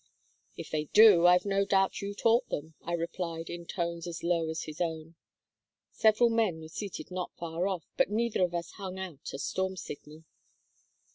"'If they do I've no doubt you taught them,' I replied, in tones as low as his own. Several men were seated not far off, but neither of us hung out a storm signal.